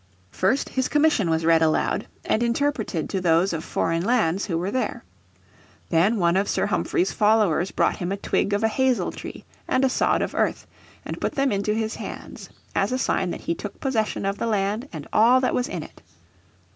First his commission was read aloud and interpreted to those of foreign lands who were there. Then one of Sir Humphrey's followers brought him a twig of a hazel tree and a sod of earth, and put them into his hands, as a sign that he took possession of the land and all that was in it.